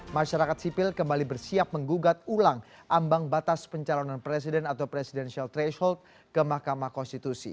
masyarakat sipil kembali bersiap menggugat ulang ambang batas pencalonan presiden atau presidential threshold ke mahkamah konstitusi